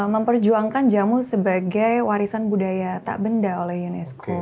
memperjuangkan jamu sebagai warisan budaya tak benda oleh unesco